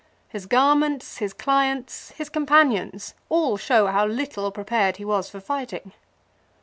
His garments, his clients, his companions, all show how little prepared he was for fighting.